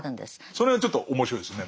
その辺はちょっと面白いですね